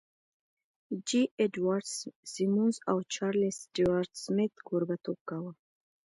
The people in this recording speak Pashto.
جې اډوارډ سیمونز او چارلیس سټیوارټ سمیت کوربهتوب کاوه